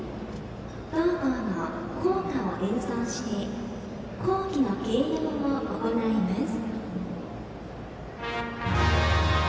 同校の校歌を演奏して校旗の掲揚を行います。